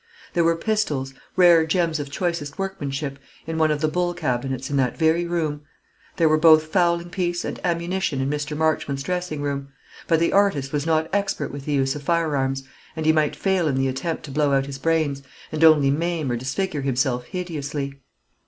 There were pistols, rare gems of choicest workmanship, in one of the buhl cabinets in that very room; there were both fowling piece and ammunition in Mr. Marchmont's dressing room: but the artist was not expert with the use of firearms, and he might fail in the attempt to blow out his brains, and only maim or disfigure himself hideously.